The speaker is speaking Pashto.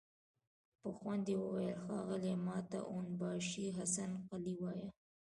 په خوند يې وويل: ښاغليه! ماته اون باشي حسن قلي وايه!